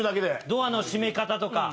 ドアの閉め方とか。